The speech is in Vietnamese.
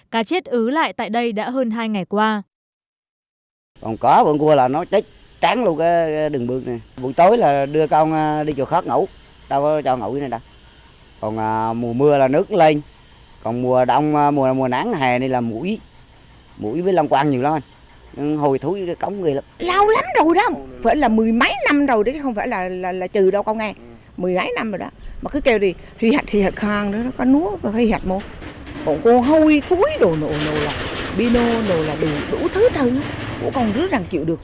cá chết ứ lại tại đây đã hơn hai ngày qua